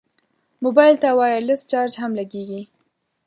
موبایل ته وایرلس چارج هم لګېږي.